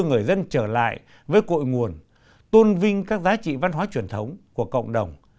người dân trở lại với cội nguồn tôn vinh các giá trị văn hóa truyền thống của cộng đồng